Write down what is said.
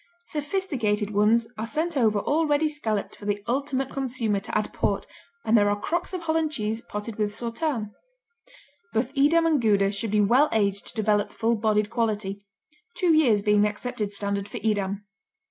Sophisticated ones are sent over already scalloped for the ultimate consumer to add port, and there are crocks of Holland cheese potted with sauterne. Both Edam and Gouda should be well aged to develop full bodied quality, two years being the accepted standard for Edam.